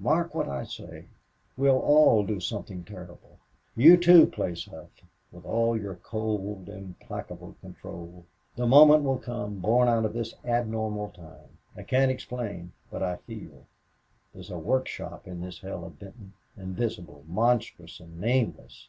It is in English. Mark what I say. We'll all do something terrible. You, too, Place Hough, with all your cold, implacable control. The moment will come, born out of this abnormal time. I can't explain, but I feel. There's a work shop in this hell of Benton. Invisible, monstrous, and nameless!...